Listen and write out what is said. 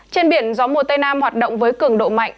trên biển gió mùa tây nam hoạt động với cường độ mạnh